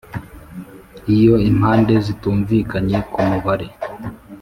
Iyo impande zitumvikanye ku mubare